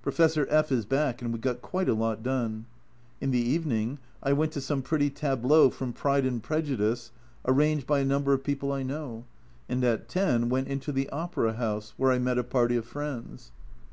Professor F is back and we got quite a lot done. In the evening I went to some pretty tableau from Pride and Prejudice, arranged by a number of people I know, and at 10 went into the Opera House, where I met a party of friends.